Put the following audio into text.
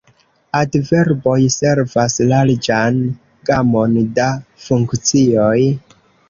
Adverboj servas larĝan gamon da funkcioj.